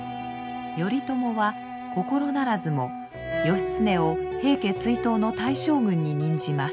頼朝は心ならずも義経を平家追討の大将軍に任じます。